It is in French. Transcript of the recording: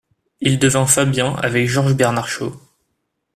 Il devint Fabien avec George Bernard Shaw.